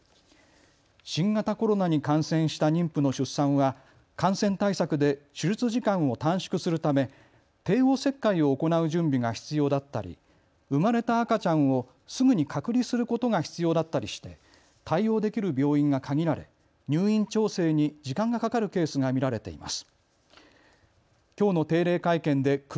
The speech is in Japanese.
新型コロナに感染した妊婦の出産は感染対策で手術時間を短縮するため帝王切開を行う準備が必要だったり生まれた赤ちゃんをすぐに隔離することが必要だったりして対応できる病院が限られ入院調整に時間がかかるケースが見られています。